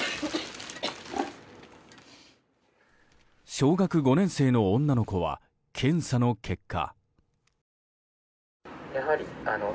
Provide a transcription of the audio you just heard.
小学５年生の女の子は検査の結果。